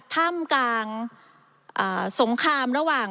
ถ้ำกลางสงครามระหว่าง